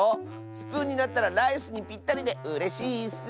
スプーンになったらライスにぴったりでうれしいッス。